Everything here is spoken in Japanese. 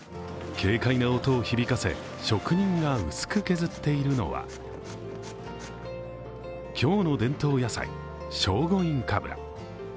軽快な音を響かせ、職人が薄く削っているのは京の伝統野菜、聖護院かぶら。